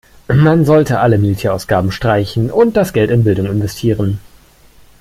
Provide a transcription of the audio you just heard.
Man sollte alle Militärausgaben streichen und das Geld in Bildung investieren.